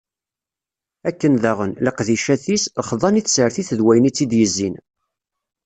Akken daɣen, leqdicat-is, xḍan i tsertit d wayen i tt-id-yezzin.